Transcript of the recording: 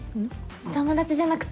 友達じゃなくて。